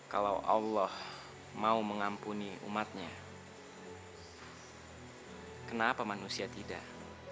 kalau allah mau mengampuni umatnya kenapa manusia tidak